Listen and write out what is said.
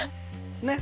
ねっ。